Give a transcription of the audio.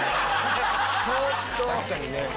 「確かにね」